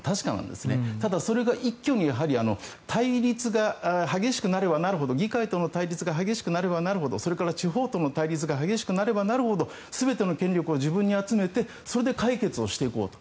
でもそれが一挙に議会との対立が激しくなればなるほどそれから地方との対立が激しくなればなるほど全ての権力を自分に集めてそれで解決をしていこうと。